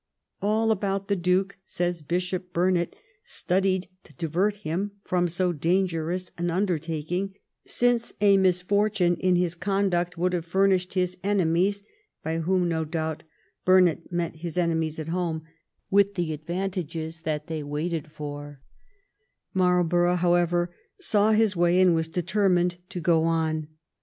'All about the duke,' says Bishop Burnet, ' studied to divert him from so dangerous an under taking ; since a misfortune in his conduct would have furnished his enemies '— by whom, no doubt, Burnet means his enemies at home —' with the advantages that they waited for/ Marlborough, however, saw his way, and was determined to go on.